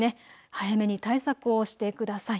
早めに対策をしてください。